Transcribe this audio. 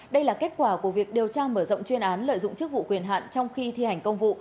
đây là kết quả của việc điều tra mở rộng chuyên án lợi dụng chức vụ quyền hạn trong khi thi hành công vụ